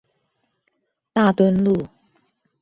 大墩路